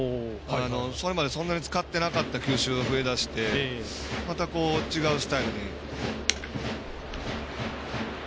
それまでそんなに使ってなかった球種が増えだしてまた、違うスタイルに。